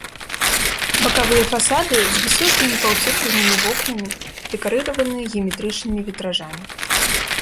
Бакавыя фасады з высокімі паўцыркульнымі вокнамі, дэкарыраваныя геаметрычнымі вітражамі.